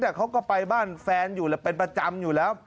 แต่เขาก็ไปบ้านแฟนอยู่เป็นประจำอยู่แล้ว